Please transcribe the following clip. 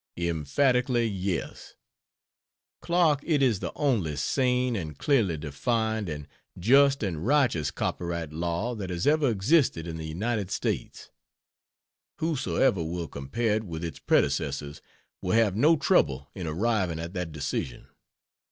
Emphatically, yes! Clark, it is the only sane, and clearly defined, and just and righteous copyright law that has ever existed in the United States. Whosoever will compare it with its predecessors will have no trouble in arriving at that decision.